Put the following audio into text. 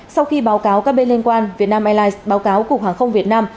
sau khi báo cáo các bên liên quan vietnam airlines báo cáo cục hàng không việt nam